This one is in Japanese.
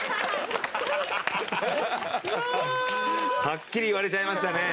はっきり言われちゃいましたね。